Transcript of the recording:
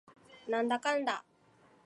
なんだかんだ